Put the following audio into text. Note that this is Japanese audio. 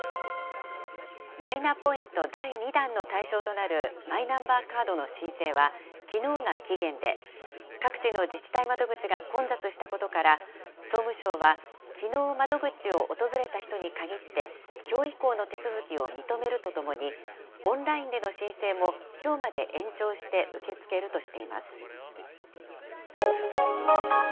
マイナポイント第２弾の対象となるマイナンバーカードの申請はきのうが期限で、各地の自治体窓口が混雑したことから、総務省は、きのう窓口を訪れた人に限って、きょう以降の手続きを認めるとともに、オンラインでの申請も、きょうまで延長して受け付けるとしています。